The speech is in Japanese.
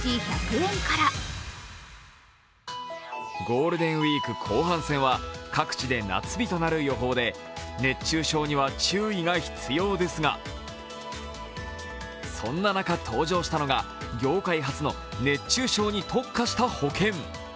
ゴールデンウイーク後半戦は各地で夏日となる予報で熱中症には注意が必要ですが、そんな中、登場したのが業界初の熱中症に特化した保険。